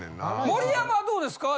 盛山はどうですか？